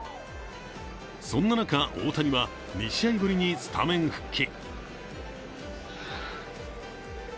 そんな中、大谷は２試合ぶりにスタメン復帰。